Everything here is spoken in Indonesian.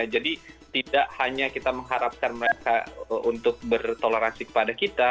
jadi tidak hanya kita mengharapkan mereka untuk bertoleransi kepada kita